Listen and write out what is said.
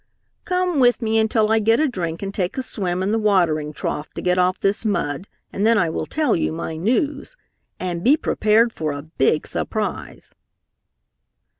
"Come with me until I get a drink and take a swim in the watering trough to get off this mud, and then I will tell you my news. And be prepared for a big surprise."